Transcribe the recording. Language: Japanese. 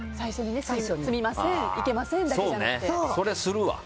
すみません、行けませんだけじゃなくてね。それ、するわ。